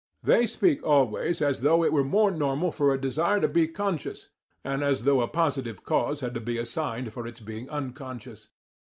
They speak always as though it were more normal for a desire to be conscious, and as though a positive cause had to be assigned for its being unconscious.